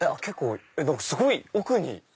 すごい奥に。